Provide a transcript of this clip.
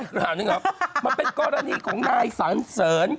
อีกข่าวหนึ่งครับมันเป็นกรณีของนายสั่งเสริน